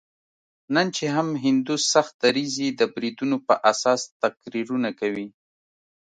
نن چې هم هندو سخت دریځي د بریدونو په اساس تقریرونه کوي.